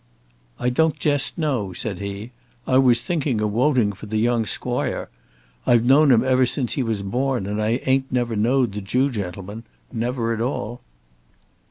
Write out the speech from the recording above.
"I don't jest know," said he. "I was thinking of woting for the young squoire. I've know'd him ever since he was born, and I ain't never know'd the Jew gentleman; never at all."